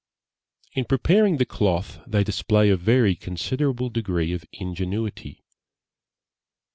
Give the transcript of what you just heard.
In preparing the cloth they display a very considerable degree of ingenuity.